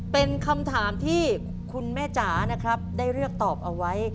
เป็นคำถามที่คุณแม่จ๋านะครับได้เลือกตอบเอาไว้